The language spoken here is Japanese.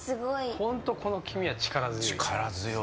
本当この黄身は力強い。